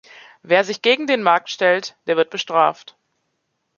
Wer sich gegen den Markt stellt, der wird bestraft.